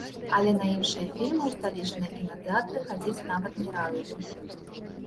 Але на іншыя фільмы ў сталічныя кінатэатры хадзіць нават не раіў бы.